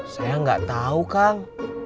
saya gak tau kang